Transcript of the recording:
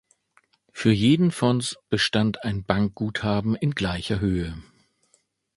Für jeden Fonds bestand ein Bankguthaben in gleicher Höhe.